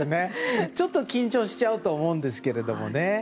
ちょっと緊張しちゃうと思うんですけどね。